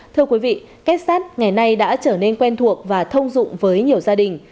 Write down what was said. thưa quý vị kết sát ngày nay đã trở nên quen thuộc và thông dụng với nhiều gia đình